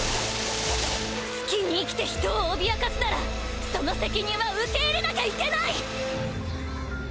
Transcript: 好きに生きて人を脅かすならその責任は受け入れなきゃいけない！